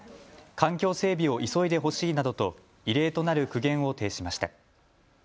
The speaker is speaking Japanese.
環境整備を急いでほしいなどと異例となる苦言を呈しました。